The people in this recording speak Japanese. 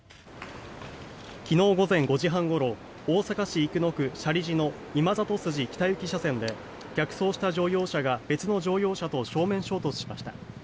昨日午前５時半ごろ大阪市生野区舎利寺の今里筋北行き車線で逆走した乗用車が別の乗用車と正面衝突しました。